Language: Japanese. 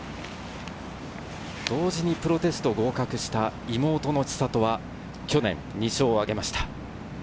同時にプロテストに合格した妹の千怜は、去年２勝を挙げました。